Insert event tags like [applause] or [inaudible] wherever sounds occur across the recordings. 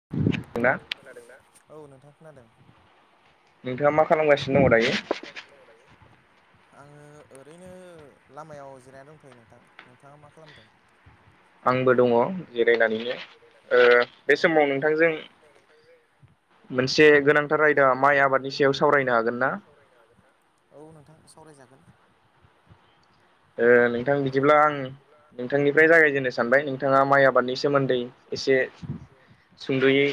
[unintelligible] खोनादों ना? औ नोंथाङा खोनादों। नोंथाङा मा खालामगासिनो नोंथाङा मा खालामगासिनो दं दायो? आङो ओरैनो लामायाव जिरायनानै दंथ'यो नोंथां नोंथाङा मा खालामदों? आंबो दङ जिरायनानैनो बे समाव नोंथांजों, मोनसे गोनां, मोनसे गोनांथार रायदा माइ आबादनि सायाव सावरायनो हागोन ना औ नोंथां सावरायजागोन? ओ नों नोंथां बिदिब्ला आं नोंथांनिफ्राय जागायजेननो सानबाय नोंथाङा माइ आबादनि सोमोन्दै एसे सुंद'यै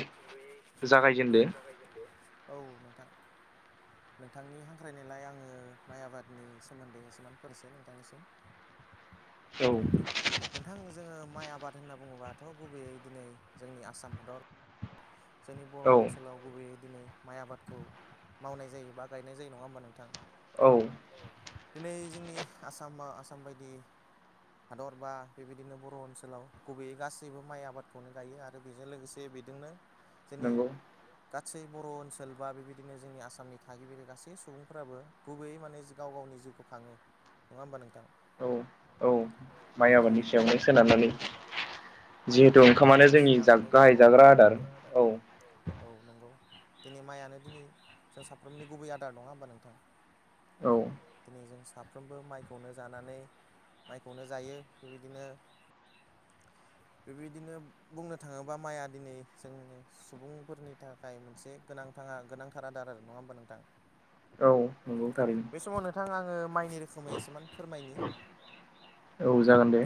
जागायजेनदो, जागायजेनदो औ नोंथां, नोंथांनि हांख्रायनायलाय आङो माइ आबादनि सोमोन्दै एसेमान फरायसै नोंथांनिसिम औ नोंथां जोङो माइ आबाद होनना बुङोबाथ' गुबैयै दिनै जोंनि आसाम हादर जोंनि बर' ओनसोलाव बबे दिनै माइ आबादखौ मावनाय जायो बा गायनाय जायो नङा होमबा नोंथां, औ दिनै जोंनि आसामा आसाम बायदि हादरबा बेबायदिनो बर' ओनसोलाव गुबैयै गासैबो माइ आबादखौनो गायो आरो आरो बेजों लोगोसे बेजोंनो नंगौ गासै बर' ओनसोल बा बेबायदिनो जोंनि आसामनि थागिबि गासै सुबुंफोराबो, गुबैयै माने गाव गावनि जिउखौ खाङो नङा होमबा नोंथां औ दिनै औ माइ आबाद माइआव सोनारनानै गाव गावबो बयबो औ नंगौ, दिनै माइयानो दिनै जों साफ्रोमनि गुबै आदार नङा होमबा नोंथां। दिनै जों साफ्रोमबो माइखौनो जानानै। माइखौनो जायो बेबायदिनो। बेबायदिनो बुंनो थाङोबा माइआ दिनै जोंनो। सुबुंफोरनि थाखाय मोनसे गोनांथार गोनांथार आदार आरो नङा होमबा नोंथां। औ नंगौ थारैनो। समाव नोंथां आङो माइनि रोखोमै एसेबां फोरमायनि।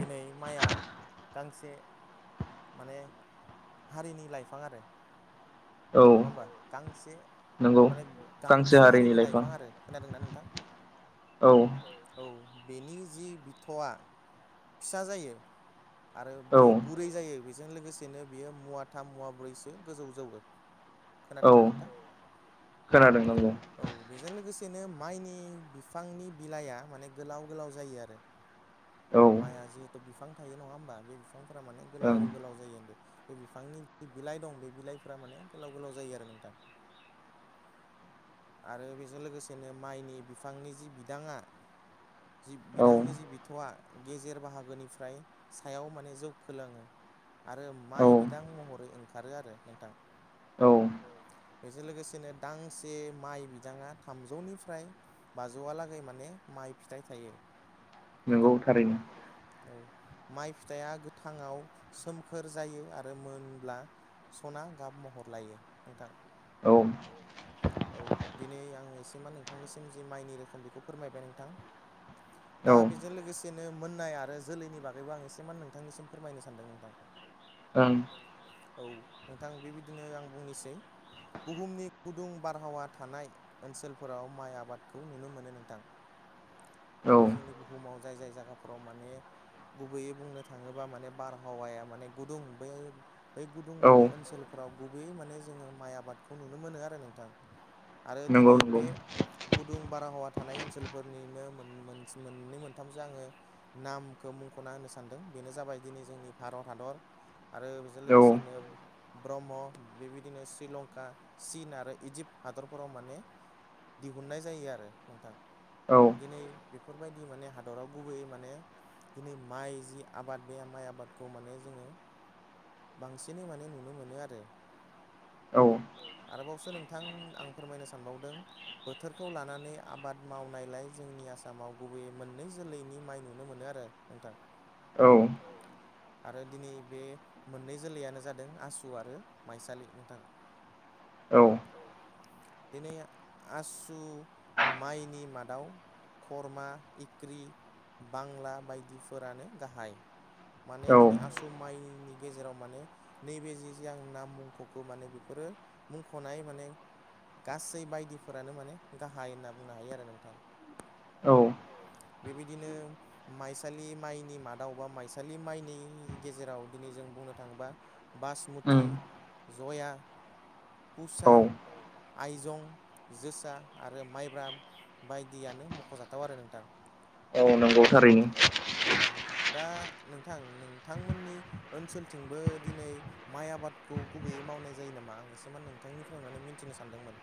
दिनै माइआ। गांसे माने हारिनि लाइफां आरो। नङा होमबा गांसे माने गांसो हारिनि लाइफां आरो खोनादोंना नोंथां। औ औ बेनि जि बिथआ फिसा जायो। आरो बियो गुरै जायो बेजों लोगोसेनो बियो मुवाथाम मुवाब्रैसो गोजौ जौवो। खोनादोंना नोंथां खोनादों। औ बेजों लोगोसेनो माइनि बिफांनि बिलाइआ माने गोलाव गोलाव जायो आरो। माइआ जिहेथु बिफां थायो नङा होमबा बे बिफांफोरा माने गोलाव गोलाव जायो होनदों। बे बिफांनि जि बिलाइ दं बे बिलाइफोरा माने गोलाव गोलाव जायो आरो नोंथां। आरो बेजों लोगोसेनो माइनि बिफांनि जि बिदाङा। जि बिदांनि जि बिथआ गेजेर बाहागोनिफ्राय। सायाव माने जौखोलोङो आरो माइ बिदां महरै ओंखारो आरो नोंथां। औ बेजों लोगोसेनो दांसे माइ बिाङा थामजौनिफ्राय। बाजौआलागै माने माइ फिथाइ थायो नोंथां थारैनो। औ माइ फिथाइआ गोथाङाव सोमखोर जायो आरो मोनब्ला। सना गाब महर लायो नोंथां औ। औ दिनै आं बेसिम नोंथांनिसिम जि माइनि रोखोम बेखौ फोरमायबाय नोंथां। दा बेजों लोगोसेनो मोननाय आरो जोलैनि बागैबो आं एसेमान नोंथांनिसिम फोरमायनो सानदों नोंथां। [inaudible] ओं औ नोंथां बेबायदिनो आं बुंनोसै। बुहुमनि गुदुं बारहावा थानाय। ओनसोलफोराव माइ आबादखौ नुनो मोनो नोंथां माने जोंनि बुहुमाव जाय जाय जायगाफोराव माने। गुबैयै बुंनो थाङोबा माने बारहावाया माने गुदुं बै। बै गुदुं माने ओनसोलफोराव गुबै माने जोङो माइ आबादखौ नुनो मोनो आरो नोंथां। आरो दिनै बे। गुदुं बारहावा थानाय ओनसोलफोरनिनो मोन-मोन मोननै मोनथामसो आङो नामखौ मुंखना होनो सानदों बेनो जाबाय दिनै जोंनि भारत हादर। आरो बेजों लोगोसेनो। ब्रह्म बेबायदिनो श्रीलंका चिन आरो इजिप्त हादरफोराव माने। दिहुननाय जायो आरो नोंथां दिनै। बेफोरबायदि माने हादराव गुबैयै माने। दिनै माइ जि आबाद बे माइ आबादखौ माने जोङो बांसिनै माने नुनो नुनो मोनो आरो औ आरोबावसो नोंथां आं फोरमायनो सानबावदों। बोथोरखौ लानानै आबाद मावनायलाय जोंनि आसामाव गुबैयै मोननै जोलैनि माइ नुनो मोनो। दे नोंथां। औ औ आरो दिनै बे मोननै जोलैयानो जादों आसु सु आरो माइसालि नोंथां। औ औ दिनै आसु माइनि मादाव खरमा इक्रि बांला बायदिफोरानो गाहाय। माने दिनै आसु माइनि गेजेराव माने नैबे जि जि आं नाम मुंख'खो माने बेफोरो मुंख'नाय माने गासै बायदिफोरानो माने गाहाय होनना बुंनो हायो आरो नोंथां। औ बेबायदिनो माइसालि माइनि मादाव बा माइसालि माइनि गेजेराव दिनै जों बुंनो थाङोबा बासमति, जया, पुसा आइजं, जोसा आरो माइब्रा बायदियानो मख'जाथाव आरो नोंथां। औ नोंगौ दा नोंथां नोंथांमोननि ओनसोलथिंबो दिनै माइ आबादखौ गुबैयै मावनाय जायो नामा आं एसे माने नोंथांनिफ्राय माने मिथिनो सानदोंमोन?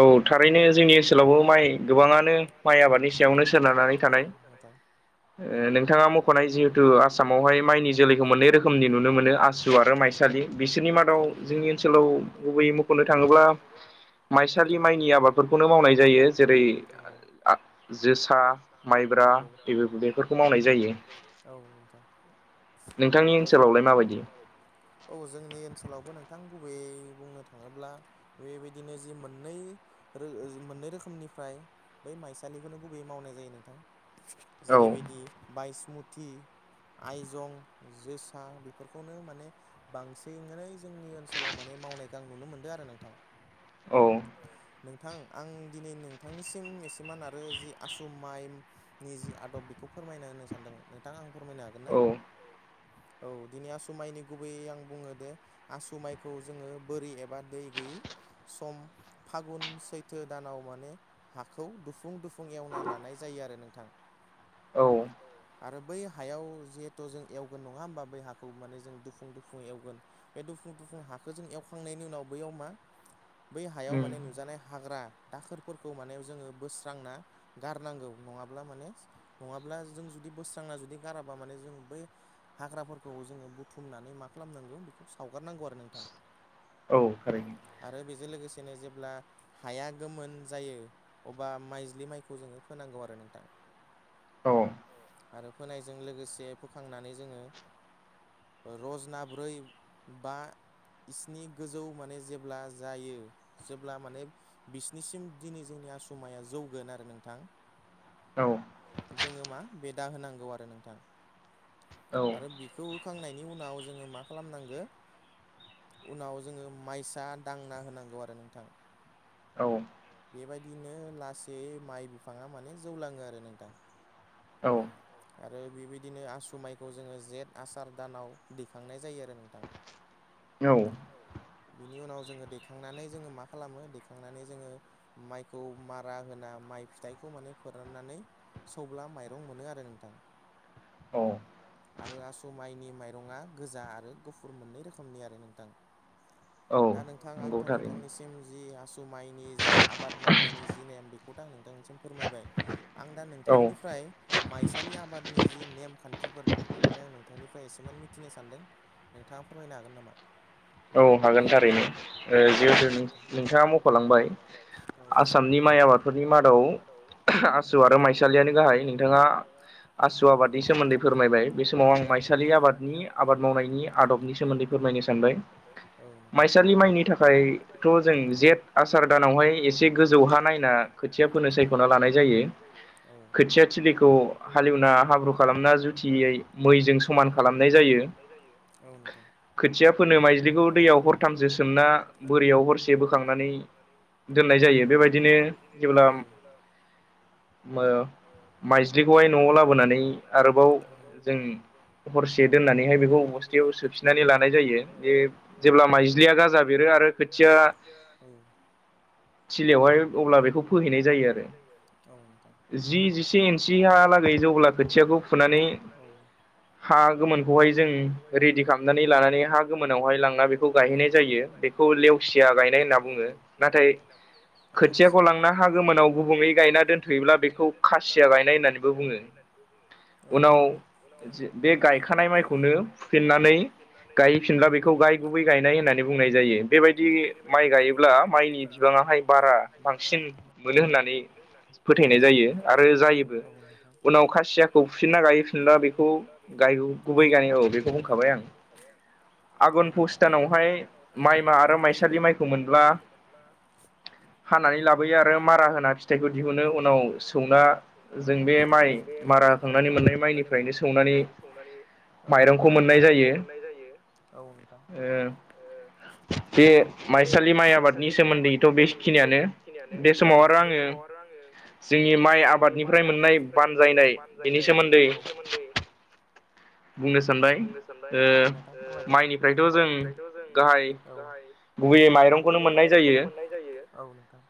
औ थारैनो जोंनि ओनसोलावबो माइ गोबाङानो माइ आबादनि सायावनो सोनारनानै थानाय। नोंथाङा मख'नाय जिहेथु आसामावहाय माइनि जोलैखौ मोननै रोखोमनि नुनो मोनो आसु आरो माइसालि बिसोरनि मादाव जोंनि ओनसोलाव गुबैयै मख'नो थाङोब्ला माइसालि माइनि आबादफोरखौनो मावनाय जायो जेरै आ जोसा माइब्रा बे बेफोरखौ मावनाय जायो। औ नोंथांनि ओनसोलावलाय माबायदि? औ जोंनि ओनसोलावबो नोंथां गुबैयै बुंनो थाङोब्ला बेबायदिनो जि मोननै रो मोननै रोखोमनिफ्राय बै माइसालिखौनो गुबैयै मावनाय जायो नोंथां जेरैबायदि बायसमुथि, आइजं, जोसा बेफोरखौनो माने बांसिनै जोंनि ओनसोलाव माने मावनायखौ आं नुनो मोनदों आरो नोंथां। नोंथां आं दिनै नोंथांनिसिम एसेमान आरो जि आसु माइ नि जि आदब बेखौ फोरमायना होनो सानदोंमोन नोंथां आं फोरमायनो हागोन ना? औ दिनै आसु माइनि गुबैयै आं बुङो दे आसु माइखौ जोङो बोरि एबा दै गैयै सम फागुन सैथो दानाव माने हाखौ दुफुं दुफुं एवना लानाय जायो आरो नोंथां। आरो बै हायाव जिहेथु जों एवगोन नङा होमबा बै हाखौ माने जों दुफु दुफुं दुफुं एवगोन बे दुफुं दुफुं हाखो जों एवखांनायनि उनाव बैयाव मा बै हायाव माने नुजानाय हाग्रा दाखोरफोरखौ माने जोङो बोस्रांना गारनांगौ नङाब्ला माने नङाब्ला जों जुदि बोस्रांना जुदि गाराबा माने जों बै हाग्राफोरखौ जोङो बुथुमनानै मा खालामनांगौ बेखौ सावगारनांगौ आरो नोंथां। औ थारैनो आरो बेजों लोगोसेनो जेब्ला हाया गोमोन जायो अब्ला माइज्लि माइखौ जोङो फोनांगौ आरो नोंथां। आरो फोनायजों लोगोसे फोखांनानै जोङो ओ रजना ब्रै बा बिसिनि गोजौ माने जेब्ला जायो जेब्ला माने बिसिनिसिम दिनै जोंनि आसुमाया जौगोन आरो नोंथां। औ जोङो मा बेदा होनांगौ आरो नोंथां आरो बिखौ होखांनाय नि उनाव जोङो मा खालामनांगोन? उनाव जोङो माइसा दांना होनांगौ आरो नोंथां। औ बेबायदिनो लासै माइ बिफाङा माने जौलाङो आरो नोंथां। औ आरो बेबायदिनो आसु माइखौ जोङो जेठ आसार दानाव दैखांनाय जायो आरो नोंथां औ औ बिनि उनाव जोङो दैखांनानै जोङो मा खालामो दैखांनानै जोङो माइखौ मारा होना माइ फिथाइखौ माने फोराननानै सौब्ला माइरं मोनो आरो नोंथां आरो आसु माइनि माइरंख गोजा आरो गुफुर मोननै रोखोमनि आरो नोंथां दा नोंथां आंथ' नोंथांनिसिम हेमजि हासु माइनि जि आबाद मावनायनि जि नेम बेखौथ' आं नोंथांनिसिम फोरमायबाय आं दा नोंथांनिफ्राय माइसालि आबादनि जि नेम खान्थिफोर बेफोरखौ माने आं नों नोंथांनिफ्राय एसेबान मिथिनो सानदों नोंथाङा फोरमायनो हागोन नामा? औ हागोन थारैनो जिहेथु नोंथाङा मख'लांबाय आसामनि माइ आबादफोरनि मादाव आसु आरो माइसालि आसु आबादनि सोमोन्दै फोरमायबाय बे समाव आं बे आं माइसालि आबादनि आबाद मावनायनि आदबनि सोमोन्दै फोरमायनो सानबाय माइसालि माइनि थाखायथ' जों जेथ आसार दानावहाय एसे गोजौहा नायना खोथिया फोनो सायख'ना लानाय जायो खोथिया थिलिखौ हालेवना हाब्रु खालामना जुथि गिबियै मैजों बैजों समान खालामनाय जायो औ नोंथां खोथिया फोनो माइज्रिखौ दैयाव हरथामस सोमना बोरियाव हरसे बोखांनानै दोननाय जायो बेबायदिनो जेब्ला [unintelligible] ओ माइज्लिखौहाय न'आव लाबोनानै आरोबाव जों हरसे दोननानैहाय बेखौ बस्थायाव सोफिननानै लानाय जायो बे जेब्ला माइज्लिया गाजा बेरो आरो खोथिया औ थिलियावहाय अब्ला बेखौ फोहैनाय जायो आरो जि, जि जिसे इन्सिहालागै जब्ला खोथियाखौ फुनानै हा गोमोनखौहाय जों रेडि खालामनानै लानानै हा गोमोनावहाय लां बेखौ गायहैनाय जायो बेखौ लेवसिया गायनाय होनना बुङो नाथाय खोथियाखौ लांना हा गोमोनाव गुबुङै गायना दोनथ'योब्ला बेखौ खासिया गायनाय होननानैबो बुङो। उनाव बे गायखानाय माइखौनो फुफिननानै गायैफिनब्ला बेखौ गाय गुबै गायनाय होननानै बुंनाय जायो बेबायदि माइ गायोब्ला माइनि बिबाङाहाय बारा बांसिन मोनो होननानै फोथायनाय जायो आरो जायोबो उनाव खासियाखौ फुफिनना गायो। जोंदा बेखौ ला बेखौ जायु गुबै गानि औ बेखौ बुंखाबाय आं औ नोंथां माग पुस दानावहाय माइ आरो माइसालि माइखौ मोनब्ला हानानै लाबोयो आरो मारा होना फिथाइखौ दिहुनो उनाव सौना जों बे माइ मारा संनानै मोननाय माइ नो सौनानै औ माइरंखौ मोननाय जायो औ ओ ओ [inaudible] बे माइसालि माइ आबादनि सोमोन्दैथ' बेखिनियानो बे समाव आरो आङो जोंनि माइ जोंनि माइ आबादनिफ्राय मोननाय बानजायनाय बिनि सोमोन्दै बुंनो सानबाय बुंनो सानबायोओ माइनिफ्रायथ' जों गाहाय गुबैयै माइरंखौनो मोननाय जायो औ नोंथां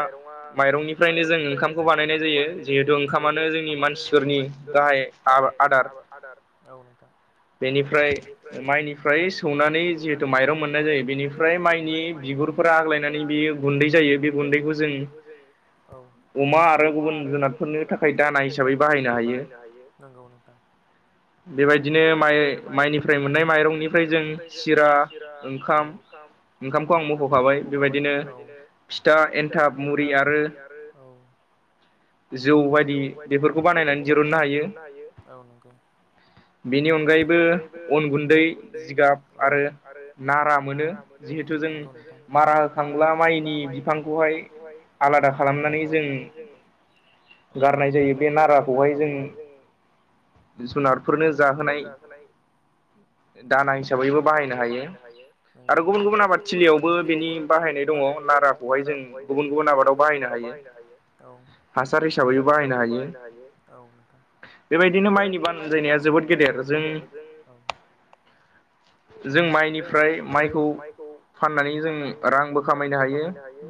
माइरङा माइरंनिफ्रायनो जों ओंखामखौ बानायनाय जायो जिहेथु ओंखामानो जोंनि मानसि सोरनि गाहाय आब आदार औ नोंथां बेनिफ्राय माइनि फ्राय सौनानै जिहेथु माइरं मोननाय जायो बेनिफ्राय माइनि बिगुरफोरा आग्लायनानै बेयो गुन्दै जायो बे गुन्दैखौ जों अमा आरो गुबुन जुनारफोरनि थाखाय दाना हिसाबै बाहायनो हायो। बेबायदिनो माइ माइनिफ्राय मोननाय माइरंनिफ्राय जों सिरा ओंखाम। ओंखामखौ आं मोख'खाबाय बेबायदिनो फिथा एन्थाब मुरि आरो जौ बायदि बेफोरखौ बानायनानै दिरुननो हायो औ नंगौ। बेनि अनगायैबो अन गुन गुन्दै जिगाब आरो नारा मोनो बे जों मारा होखांब्ला माइनि बिफांखौहाय आलादा खालामनानै जों औ गारनाय जायो बे नाराखौहाय जों जुनारफोरनो जाहोनाय दाना हिसाबैबो बाहायनो हायो आरो गुबुन गुबुन आबाद थिलियावबो बिनि बाहायनाय दङ नाराखौहाय जों गुबुन गुबुन आबादाव बाहायनो हायो औ हासार हिसाबैबो बाहायनो हायो औ नोंथां। बेबायदिनो माइनि बानजायनाया जोबोद गेदेर जों जों माइनिफ्राय माइखौ फाननानै जों रांबो खामायनो हायो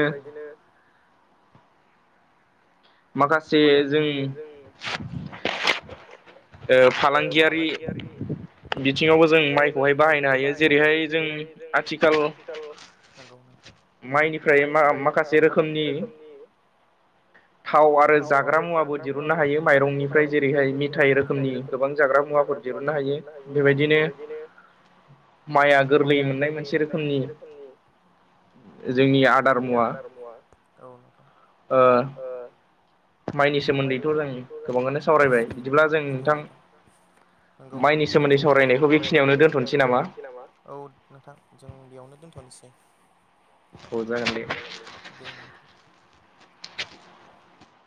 बेबायदिनो। माखासे जों ओ फालांगियारि बिथिङावबो जों माइखौहाय बाहायनो हायो जेरैहाय जों आथिखाल माइनिफ्राय मा माखासे रोखोमनि थाव आरो जाग्रा मुवाबो दिरुननो हायो माइरंनिफ्राय जेरैहाय मेथाइ रोखोमनि गोबां जाग्रा मुवाफोर। दहुननो हायो बेबायदिनो माइआ गोरलै मोननाय मोनसे रोखोमनि जोंनि आदार मुवा ओ माइनि सोमोन्दैथ' जों गोबाङानो सावरायबाय नंगौ नोंथां। नंगौ माइनि सोमोन्दै सावरायनायखौ बेखिनियावनो दोनथ'नोसै नामा औ। नोंथां जों बेयावनो दोनथ'नोसै। फजागलि दे नोंथां। [inaudible]